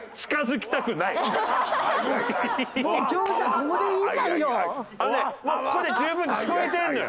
ここで十分聞こえてるのよ。